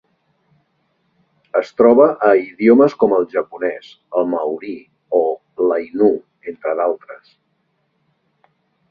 Es troba a idiomes com el japonès, el maori o l'ainu, entre d'altres.